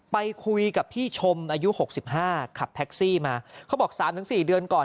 ไปคุยกับพี่ชมอายุ๖๕ขับแท็กซี่มาเขาบอก๓๔เดือนก่อน